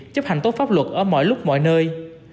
chấp hành tốt pháp luật ở mọi lúc mọi nơi